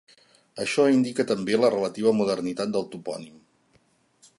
Això indica també la relativa modernitat del topònim.